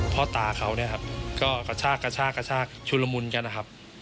พ่อตาเขาก็กระชากชุลมุนกันนะครับ